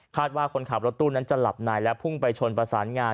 ว่าคนขับรถตู้นั้นจะหลับในและพุ่งไปชนประสานงาน